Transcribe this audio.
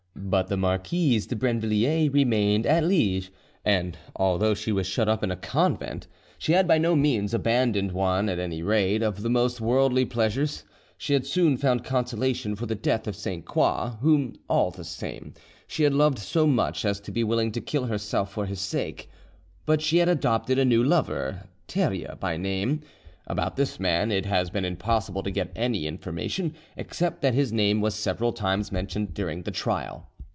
But the Marquise de Brinvilliers remained at Liege, and although she was shut up in a convent she had by no means abandoned one, at any rate, of the most worldly pleasures. She had soon found consolation for the death of Sainte Croix, whom, all the same, she had loved so much as to be willing to kill herself for his sake. But she had adopted a new lover, Theria by name. About this man it has been impossible to get any information, except that his name was several times mentioned during the trial.